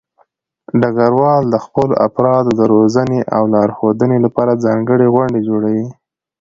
ډګروال د خپلو افرادو د روزنې او لارښودنې لپاره ځانګړې غونډې جوړوي.